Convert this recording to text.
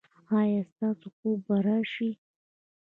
ایا ستاسو خوب به راشي؟